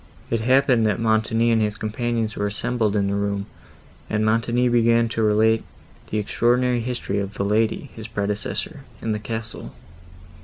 It happened that Montoni and his companions were assembled in the room, and Montoni began to relate the extraordinary history of the lady, his predecessor, in the castle.